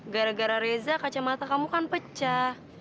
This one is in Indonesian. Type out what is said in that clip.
gara gara reza kacamata kamu kan pecah